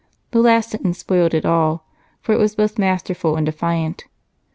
The last sentence spoiled it all, for it was both masterful and defiant.